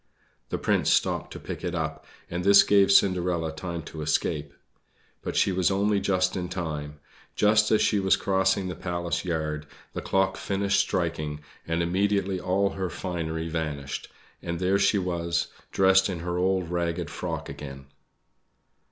The Prince stopped to pick it up, and this gave Cinderella time to escape; but she was only just in time. Just as she was crossing the Palace yard, the clock finished striking, and immediately all her finery vanished; and there she was, dressed in her old ragged frock again.